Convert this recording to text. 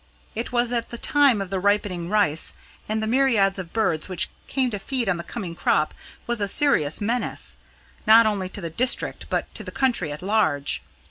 It was at the time of the ripening rice, and the myriads of birds which came to feed on the coming crop was a serious menace, not only to the district, but to the country at large.